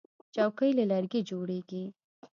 چوکۍ له لرګي جوړیږي.